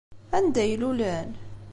Anda ay lulen?